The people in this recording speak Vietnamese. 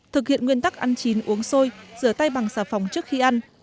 thực hiện nguyên tắc ăn chín uống sôi rửa tay bằng xà phòng trước khi ăn